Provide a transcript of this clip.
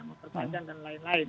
memperbaikan dan lain lain